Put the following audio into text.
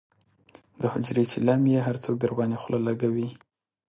د حجرې چیلم یې هر څوک درباندې خله لکوي.